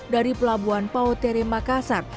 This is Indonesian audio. dari pelabuhan pauteri makassar